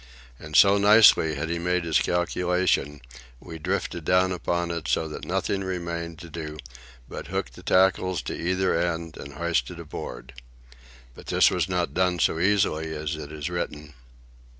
And, so nicely had he made his calculation, we drifted fairly down upon it, so that nothing remained to do but hook the tackles to either end and hoist it aboard. But this was not done so easily as it is written.